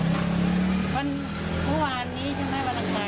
เย็นเขาจะมาแค่ติดเหล้า